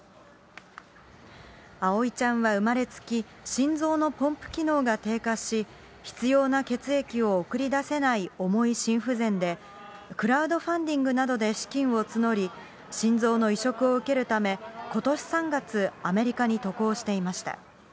葵ちゃんは生まれつき心臓のポンプ機能が低下し、必要な血液を送り出せない重い心不全で、クラウドファンディングなどで資金を募り、心臓の移植を受けるため、ことし３月、アメリカに渡航していました。